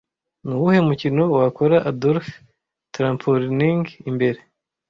Nuwuhe mukino wakora Adolf Trampolining imbere